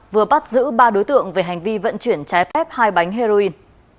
vừa bắt giữ ba đối tượng về hành vi vận chuyển trái phép hai bánh heroin